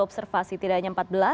observasi tidak hanya empat belas